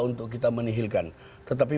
untuk kita menihilkan tetapi